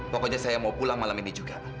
pokoknya saya mau pulang malam ini juga